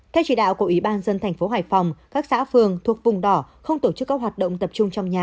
theo chỉ đạo của ủy ban dân thành phố hải phòng các xã phường thuộc vùng đỏ không tổ chức các hoạt động tập trung trong nhà